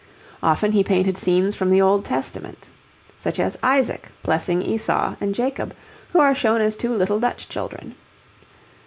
Often he painted scenes from the Old Testament; such as Isaac blessing Esau and Jacob, who are shown as two little Dutch children.